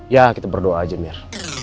ya kita berdoa aja mir